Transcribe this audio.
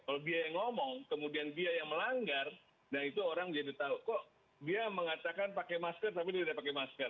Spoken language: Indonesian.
kalau biaya yang ngomong kemudian dia yang melanggar nah itu orang jadi tahu kok dia mengatakan pakai masker tapi dia tidak pakai masker